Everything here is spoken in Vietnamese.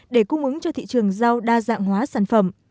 để cung ứng cho thị trường rau đa dạng hóa sản phẩm